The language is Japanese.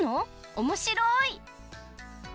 おもしろい！